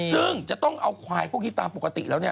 ซึ่งจะต้องเอาควายพวกนี้ตามปกติแล้วเนี่ย